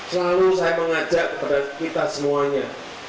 selalu saya mengajak kepada kita semuanya